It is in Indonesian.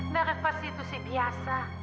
nervasi itu sih biasa